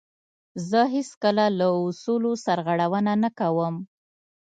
زه هیڅکله له اصولو سرغړونه نه کوم.